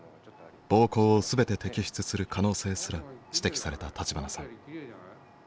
膀胱を全て摘出する可能性すら指摘された立花さん。